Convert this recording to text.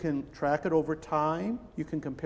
anda bisa mengukurnya dengan waktu